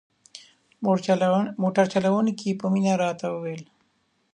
موټر چلوونکي په مینه راته وویل.